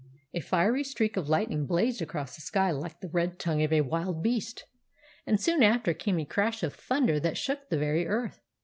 A fiery streak of lightning blazed across the sky like the red tongue of a wild beast, and soon after came a crash of thunder that shook the very earth.